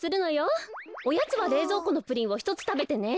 おやつはれいぞうこのプリンをひとつたべてね。